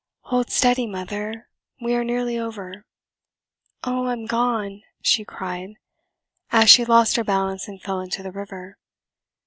"Hold steady, mother; we are nearly over." "Oh, I am gone!" she cried, as she lost her balance and fell into the river.